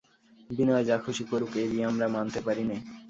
বিনয় যা খুশি করুক, এ বিয়ে আমরা মানতে পারি নে।